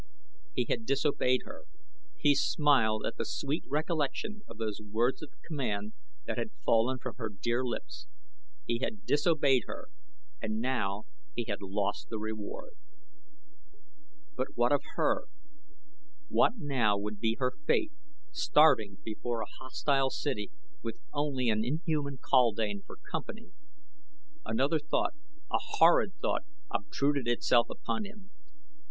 He had disobeyed her. He smiled at the sweet recollection of those words of command that had fallen from her dear lips. He had disobeyed her and now he had lost the reward. But what of her? What now would be her fate starving before a hostile city with only an inhuman kaldane for company? Another thought a horrid thought obtruded itself upon him.